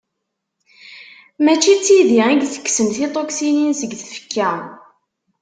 Mačči d tidi i itekksen tiṭuksinin seg tfekka.